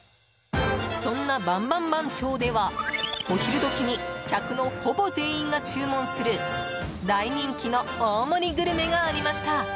そんなバンバン番長ではお昼時に客のほぼ全員が注文する大人気の大盛りグルメがありました。